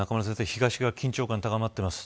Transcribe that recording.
東側、緊張感が高まっています。